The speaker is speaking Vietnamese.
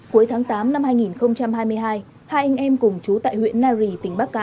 cuối tháng tám năm hai nghìn hai mươi hai hai anh em cùng chú tại huyện nari